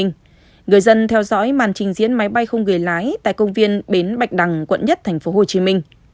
người dân theo dõi màn trình diễn máy bay không người lái tại công viên bến bạch đằng quận một tp hcm